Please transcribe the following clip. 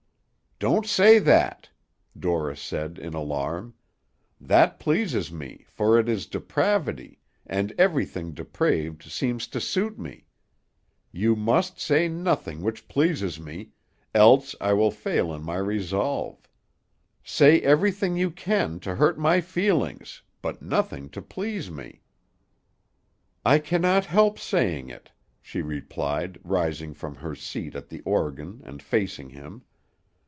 "Don't say that," Dorris said in alarm. "That pleases me, for it is depravity, and everything depraved seems to suit me. You must say nothing which pleases me, else I will fail in my resolve. Say everything you can to hurt my feelings, but nothing to please me." "I cannot help saying it," she replied, rising from her seat at the organ, and facing him.